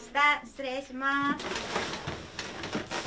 失礼します。